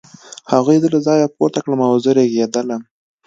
هغوی زه له ځایه پورته کړم او زه رېږېدلم